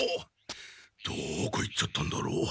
どこ行っちゃったんだろう？